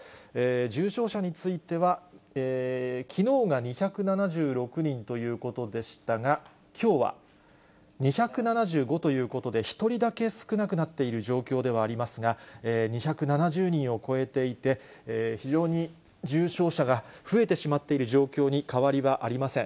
重症者については、きのうが２７６人ということでしたが、きょうは２７５ということで、１人だけ少なくなっている状況ではありますが、２７０人を超えていて、非常に重症者が増えてしまっている状況に変わりはありません。